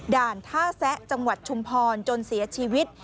ด่านท่าแซะจังหวัดชุมพรจนเสียชีวิต